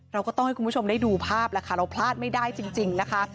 เราก็ต้องให้คุณผู้ชมได้ดูภาพแล้วค่ะเราพลาดไม่ได้จริงนะคะ